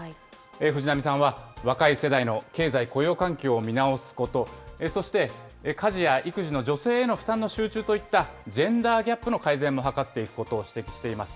藤波さんは、若い世代の経済・雇用環境を見直すこと、そして家事や育児の女性への負担の集中といったジェンダーギャップの改善も図っていくことを指摘しています。